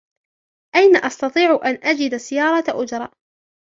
أين أستطيع أن أجد سيارة أجرة ؟